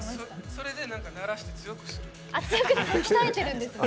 それで慣らして強くするんですよ。